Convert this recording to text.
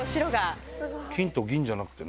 金と銀じゃなくてね。